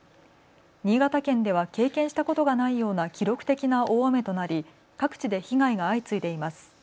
新潟県では経験したことがないような記録的な大雨となり各地で被害が相次いでいます。